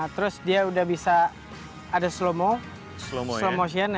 terus dia udah bisa ada slow motion